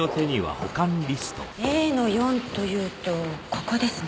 Ａの４というとここですね。